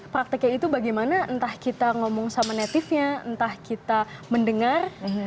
prakteknya itu bagaimana entah kita ngomong sama negatifnya entah kita mendengar